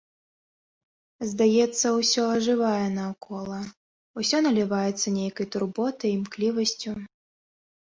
Здаецца, усё ажывае наўкола, усё наліваецца нейкай турботай, імклівасцю.